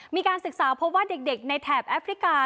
มีการศึกษาเพราะว่าเด็กในแถบแอฟริกา